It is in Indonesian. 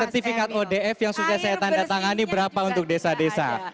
sertifikat odf yang sudah saya tanda tangani berapa untuk desa desa